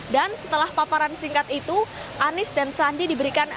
dan setelah paparan singkat itu anies dan sandi diberikan